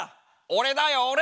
俺だよ俺！